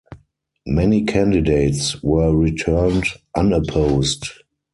Many candidates were returned unopposed.